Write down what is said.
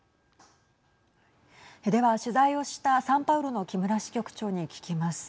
では取材をしたサンパウロの木村支局長に聞きます。